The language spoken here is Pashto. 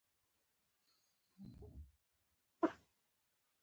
همداراز له پنځلسو سېلابونو څخه جوړې دي.